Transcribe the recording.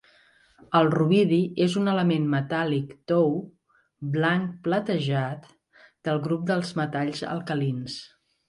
El rubidi és un element metàl·lic tou, blanc platejat, del grup dels metalls alcalins.